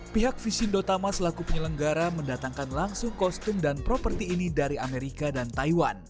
pihak visindo tama selaku penyelenggara mendatangkan langsung kostum dan properti ini dari amerika dan taiwan